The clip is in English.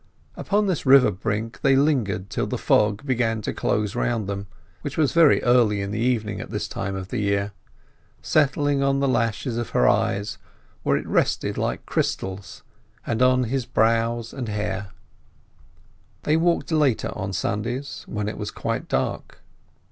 Upon this river brink they lingered till the fog began to close round them—which was very early in the evening at this time of the year—settling on the lashes of her eyes, where it rested like crystals, and on his brows and hair. They walked later on Sundays, when it was quite dark.